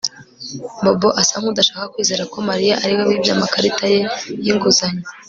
Bobo asa nkudashaka kwizera ko Mariya ariwe wibye amakarita ye yinguzanyo